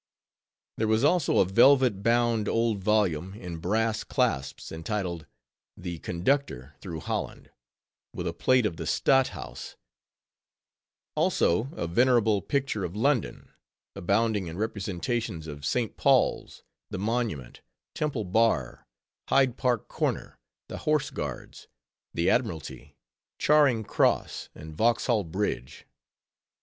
_ There was also a velvet bound old volume, in brass clasps, entitled, "The Conductor through Holland" with a plate of the Stadt House; also a venerable "Picture of London" abounding in representations of St. Paul's, the Monument, Temple Bar, Hyde Park Corner, the Horse Guards, the Admiralty, Charing Cross, and Vauxhall Bridge.